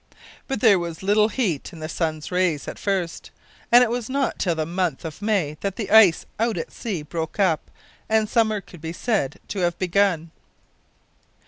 But there was little heat in the sun's rays at first, and it was not till the month of May that the ice out at sea broke up and summer could be said to have begun.